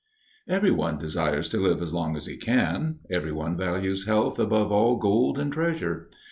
Every one desires to live as long as he can. Every one values health "above all gold and treasure."